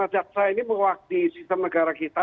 jaksa ini mewaki sistem negara kita